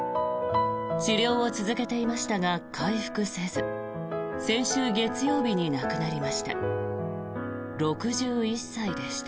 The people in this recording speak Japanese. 治療を続けていましたが回復せず先週月曜日に亡くなりました。